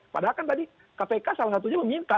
padahal kan tadi kpk salah satunya meminta